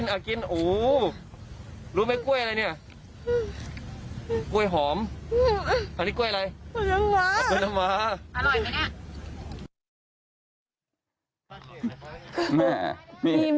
ามันทำนี้ใช่ไหม